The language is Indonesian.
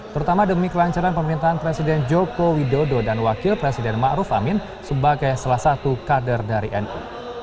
terutama demi kelancaran pemerintahan presiden joko widodo dan wakil presiden ⁇ maruf ⁇ amin sebagai salah satu kader dari nu